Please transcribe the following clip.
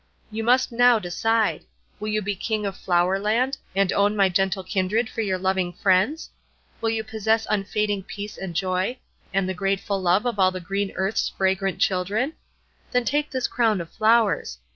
You must now decide. Will you be King of Flower Land, and own my gentle kindred for your loving friends? Will you possess unfading peace and joy, and the grateful love of all the green earth's fragrant children? Then take this crown of flowers.